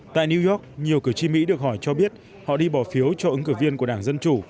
tại new york nhiều cử tri mỹ được hỏi cho biết họ đi bỏ phiếu cho ứng cử viên của đảng dân chủ